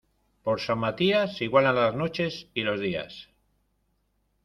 Por San Matías se igualan las noches y los días.